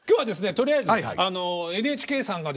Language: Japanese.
とりあえずＮＨＫさんがですね